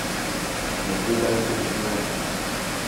Mopo bay do ɓi wa.